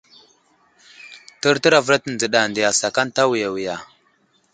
Təryər avəlato dzəɗa nde asakaŋ ta awiya wiga.